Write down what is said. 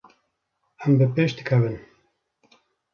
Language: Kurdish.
Em bi pêş dikevin.